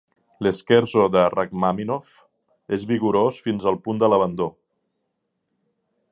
L'scherzo de Rakhmàninov és vigorós fins al punt de l'abandó.